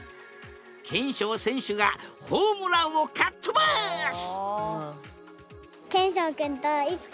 けんしょう選手がホームランをかっ飛ばす！